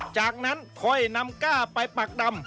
จากนั้นค่อยนำก้าไปปักดำ